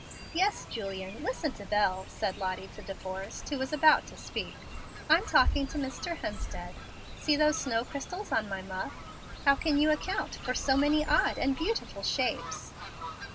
"Yes, Julian, listen to Bel," said Lottie to De Forrest, who was about to speak. "I'm talking to Mr. Hemstead. See those snow crystals on my muff. How can you account for so many odd and beautiful shapes?"